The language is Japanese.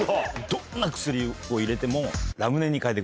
どんな薬を入れても。